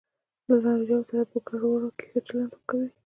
له نارینه وو سره په ګړو وړو کې ښه چلند کوي.